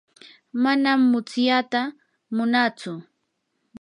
manam mutsyata munaatsu.